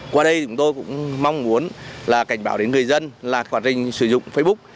qua đây chúng tôi cũng mong muốn là cảnh báo đến người dân là quá trình sử dụng facebook